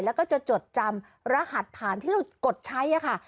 แล้วก็จะจดจำรหัสฐานที่เรากดใช้ค่ะ